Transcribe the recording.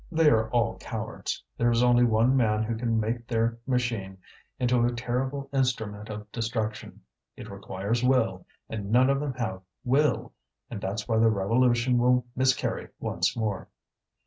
"They are all cowards; there is only one man who can make their machine into a terrible instrument of destruction. It requires will, and none of them have will; and that's why the revolution will miscarry once more."